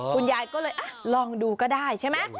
คุณยายก็เลยลองดูก็ได้ใช่ไหม